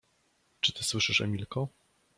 Czy ty słyszysz, Emilko?